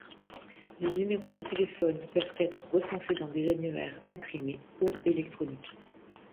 Les numéros de téléphone peuvent être recensés dans des annuaires imprimés ou électroniques.